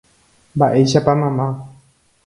Mba'éichapa mama.